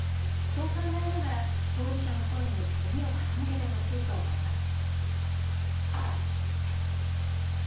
そう考えながら、当事者の声に耳を傾けてほしいと思います。